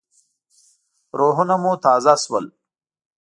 روحونه مو تازه شول.